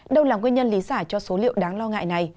đầu lòng nguyên nhân lý giả cho số liệu đáng lo ngại này